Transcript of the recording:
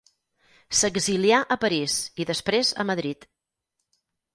S'exilià a París i després a Madrid.